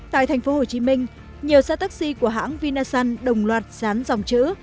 tại thành phố hồ chí minh nhiều xe taxi của hãng vinasun đồng loạt dán dòng chữ